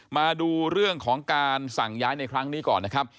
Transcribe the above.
มาดูเรื่องของการสั่งย้ายในครั้งนี้ก่อนนะครับ